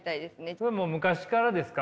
それは昔からですか？